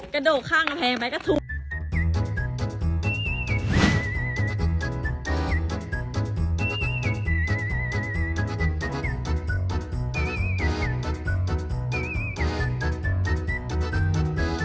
กระโดดข้างแพงไหมกระทุก